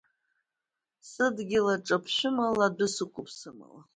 Сыдгьыл аҿы ԥшәымала адәы сықәуп, сымала.